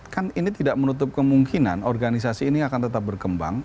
kan ini tidak menutup kemungkinan organisasi ini akan tetap berkembang